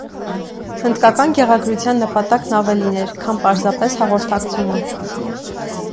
Հնդկական գեղագրության նպատակն ավելին էր, քան պարզապես հաղորդակցումը։